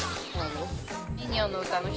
「ミニオン」の歌の人。